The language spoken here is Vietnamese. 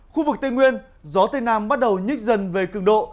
khu vực tây nguyên gió tây nam bắt đầu nhích dần về cường độ